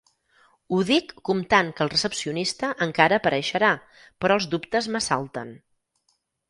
Ho dic comptant que el recepcionista encara apareixerà, però els dubtes m'assalten.